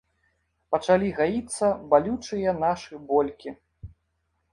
Пачалі гаіцца балючыя нашы болькі.